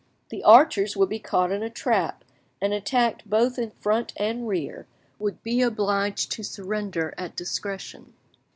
The archers would be caught in a trap, and attacked both in front and rear, would be obliged to surrender at discretion.